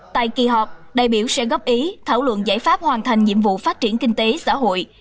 tại kỳ họp đại biểu sẽ góp ý thảo luận giải pháp hoàn thành nhiệm vụ phát triển kinh tế xã hội